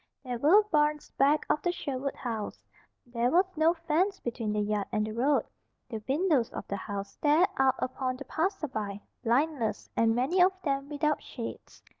There were barns back of the Sherwood house; there was no fence between the yard and the road, the windows of the house stared out upon the passerby, blindless, and many of them without shades.